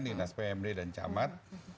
dinas pmd dan camat